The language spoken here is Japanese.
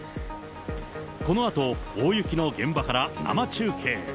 このあと、大雪の現場から生中継。